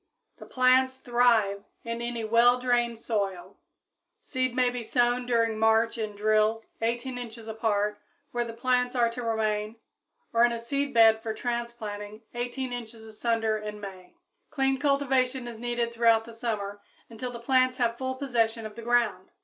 _ The plants thrive in any well drained soil. Seed may be sown during March in drills 18 inches apart where the plants are to remain or in a seedbed for transplanting 18 inches asunder in May. Clean cultivation is needed throughout the summer until the plants have full possession of the ground.